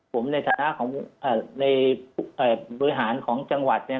ผมในฐานะของในบริหารของจังหวัดเนี่ย